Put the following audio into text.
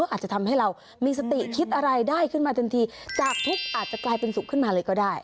อาจจะทำให้เรามีสติคิดอะไรได้ขึ้นมาทันทีจากทุกข์อาจจะกลายเป็นสุขขึ้นมาเลยก็ได้